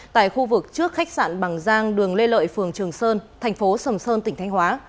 tại khu vực trước khách sạn bằng giang đường lê lợi phường trường sơn thành phố sầm sơn tỉnh thanh hóa